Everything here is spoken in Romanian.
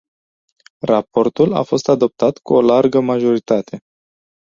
Raportul a fost adoptat cu o largă majoritate.